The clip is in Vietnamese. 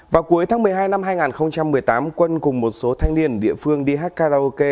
vào cuối tháng một mươi hai năm hai nghìn một mươi tám quân cùng một số thanh niên ở địa phương đi hát karaoke